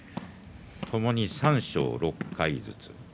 ともに三賞、６回ずつ。